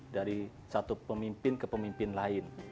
dari satu pemimpin ke pemimpin lain